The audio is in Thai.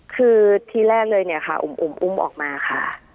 คือทีแรกเลยเนี่ยค่ะอุ่มอุ้มออกมาค่ะ